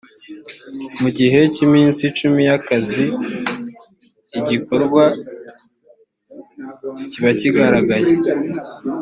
mu gihe cy ‘iminsi cumi y’akazi igikorwa kibakigaragaye.